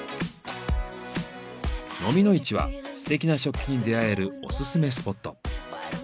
のみの市はすてきな食器に出会えるオススメスポット。